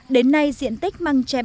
đến nay diện tích măng chai bắt độ